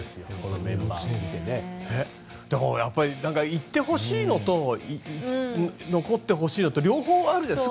行ってほしいのと残ってほしいのと両方あるじゃない。